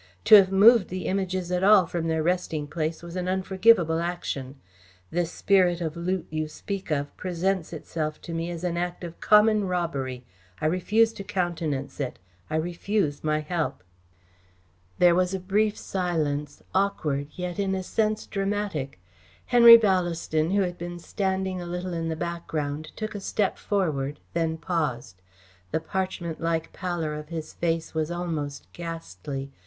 "To have removed the Images at all from their resting place was an unforgivable action. This spirit of loot you speak of presents itself to me as an act of common robbery. I refuse to countenance it. I refuse my help." There was a brief silence; awkward, yet in a sense dramatic. Henry Ballaston, who had been standing a little in the background, took a step forward, then paused. The parchment like pallor of his face was almost ghastly.